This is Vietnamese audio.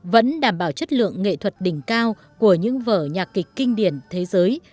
vẫn đảm bảo chất lượng nghệ thuật đỉnh cao của những vở nhạc kịch kinh điển thế giới